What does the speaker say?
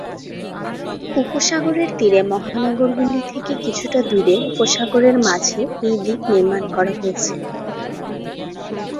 উপসাগরের তীরে মহানগর গুলি থেকে কিছুটা দূরে উপসাগরের মাঝে এই দ্বীপ নির্মান করা হয়েছে।